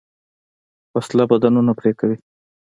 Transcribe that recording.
وسله بدنونه پرې کوي